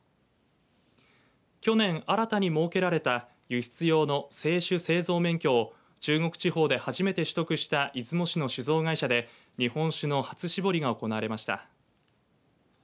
去年、新たに設けられた輸出用の清酒製造免許を中国地方で初めて取得した出雲市の酒造会社で日本酒の初搾りが行われました。